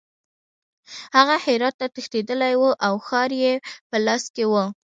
هغه هرات ته تښتېدلی وو او ښار یې په لاس کې وو.